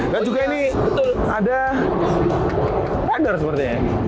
di bagian ini ada weather sepertinya